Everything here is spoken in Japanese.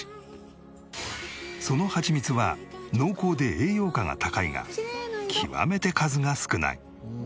そのハチミツは濃厚で栄養価が高いが極めて数が少ない。